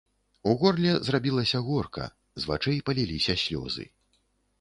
У горле зрабілася горка, з вачэй паліліся слёзы.